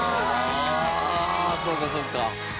ああそうかそうか。